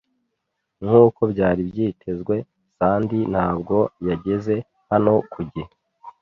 Nkuko byari byitezwe, Sandy ntabwo yageze hano ku gihe.